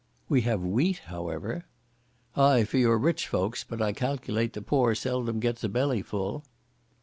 "We have wheat, however." "Ay, for your rich folks, but I calculate the poor seldom gets a belly full."